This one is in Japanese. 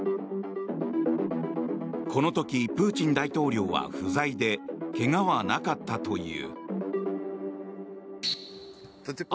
この時、プーチン大統領は不在で怪我はなかったという。